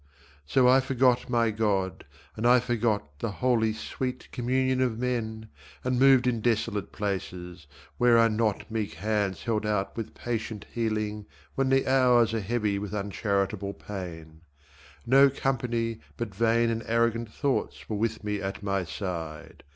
So I forgot my God, and I forgot The holy sweet communion of men, And moved in desolate places, where are not Meek hands held out with patient healing when The hours are heavy with uncharitable pain; No company but vain And arrogant thoughts were with me at my side.